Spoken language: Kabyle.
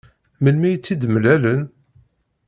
Melmi i tt-id-mlalen?